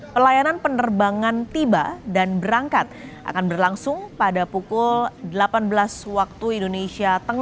pelayanan penerbangan tiba dan berangkat akan berlangsung pada pukul delapan belas waktu indonesia